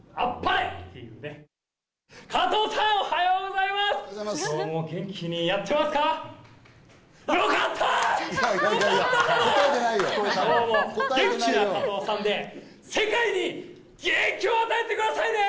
今日も元気な加藤さんで、世界に元気を与えてくださいね！